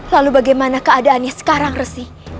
lalu bagaimana keadaannya sekarang resi